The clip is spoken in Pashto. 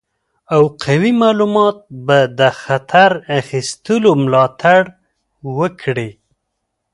او قوي معلومات به د خطر اخیستلو ملاتړ وکړي.